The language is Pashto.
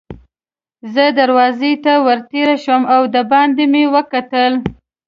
زه دروازې ته ور تېر شوم او دباندې مې وکتل.